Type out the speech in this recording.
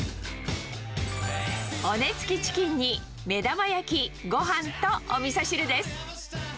骨付きチキンに目玉焼き、ごはんとおみそ汁です。